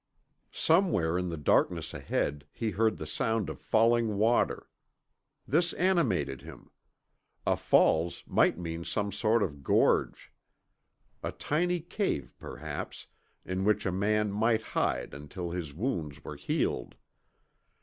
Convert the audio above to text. Somewhere in the darkness ahead, he heard the sound of falling water. This animated him. A falls might mean some sort of gorge, a tiny cave perhaps, in which a man might hide until his wounds were healed.